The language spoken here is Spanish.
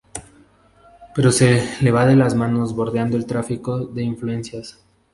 Pero se le va de las manos, bordeando el tráfico de influencias.